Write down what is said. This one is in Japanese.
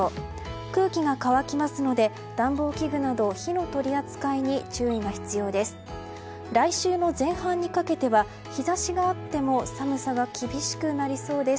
空気が乾きますので暖房器具など火の取り扱いに注意が必要です。